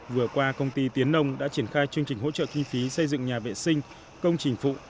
vừa qua công ty tiến nông đã triển khai chương trình hỗ trợ kinh phí xây dựng nhà vệ sinh công trình phụ